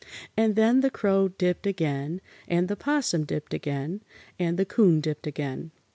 And then the Crow dipped again, and the 'Possum dipped again, and the 'Coon dipped again.